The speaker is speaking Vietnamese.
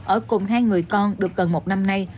ở cùng hai người con được gần một năm nay